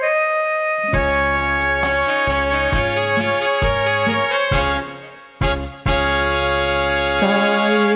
ใกล้ตาได้ยินมันล่าเสียงไกล